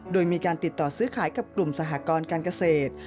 โดยมีการติดต่อซื้อขายกับกลุ่มสหกรการเกษตร